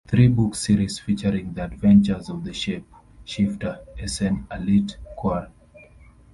Three book series featuring the adventures of the shape-shifter Esen-alit-Quar.